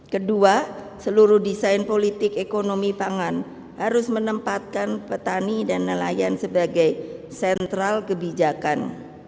kedua seluruh desain politik ekonomi pangan harus menempatkan petani dan nelayan sebagai sentral kebijakan